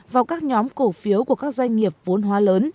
vào các nhóm cổ phiếu của các doanh nghiệp vốn hóa lớn